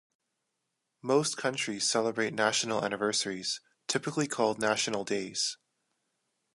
Most countries celebrate national anniversaries, typically called national days.